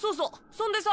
そんでさ。